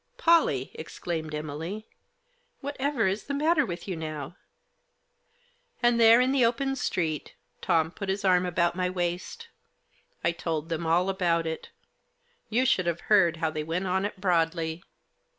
"Polly!" exclaimed Emily. "Whatever is the matter with you now ?" And there, in the open street, Tom put his arm about my waist. I told them all about it. You should have heard how they went on at Broadley.